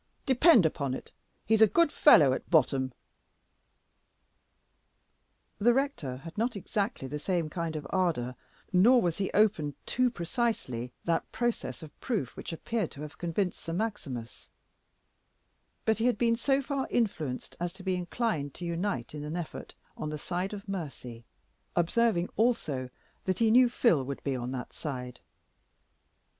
Depend upon it, he's a good fellow at bottom." The rector had not exactly the same kind of ardor, nor was he open too precisely that process of proof which appeared to have convinced Sir Maximus; but he had been so far influenced as to be inclined to unite in an effort on the side of mercy, observing also that he "knew Phil would be on that side."